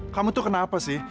kamu tuh kenapa sih